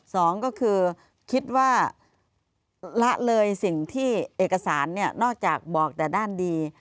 สองก็คือคิดว่าละเลยสิ่งที่เอกสารเนี่ยนอกจากบอกแต่ด้านดี